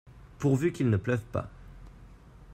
Pourvu qu’il ne pleuve pas !